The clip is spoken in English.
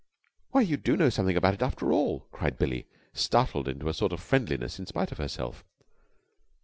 "Why, you do know something about it after all!" cried Billie, startled into a sort of friendliness in spite of herself.